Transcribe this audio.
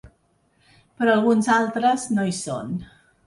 Però alguns altres no hi són.